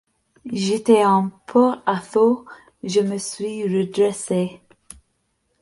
J’étais en porte-à-faux, je me suis redressé.